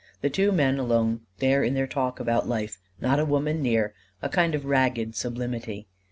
The two men alone there in their talk about life, not a woman near, a kind of ragged sublimity.